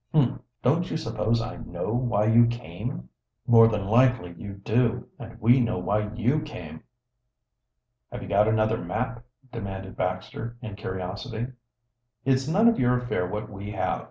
"Humph! Don't you suppose I know why you came?" "More than likely you do, and we know why you came." "Have you got another map?" demanded Baxter, in curiosity. "It's none of your affair what we have.